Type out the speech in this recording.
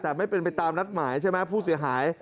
แต่ไม่เป็นไปตามนัดหมายใช่ไหมผู้เสียหาย